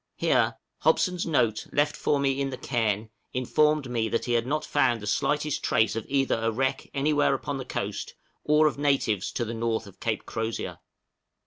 Here Hobson's note left for me in the cairn informed me that he had not found the slightest trace either of a wreck anywhere upon the coast, or of natives to the north of Cape Crozier.